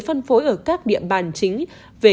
phân phối ở các địa bàn chính về